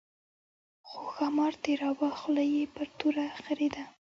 خو ښامار تېراوه خوله یې پر توره خرېده.